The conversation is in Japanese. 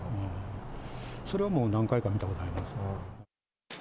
それはもう、何回か見たことあります。